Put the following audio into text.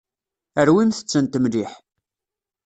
Rwimt-tent mliḥ.